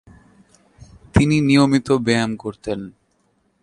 তিনি নিয়মিত ব্যায়াম করতেন।